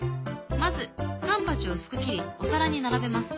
まずカンパチを薄く切りお皿に並べます。